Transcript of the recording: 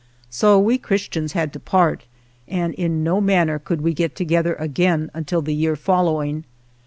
So we Christians had to part, and in no manner could we get together again until the year following.